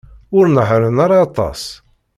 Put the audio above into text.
Ur nehhṛen ara aṭas.